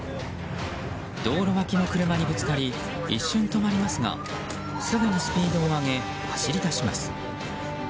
道路脇の車にぶつかり一瞬止まりますがすぐにスピードを上げ走り出します。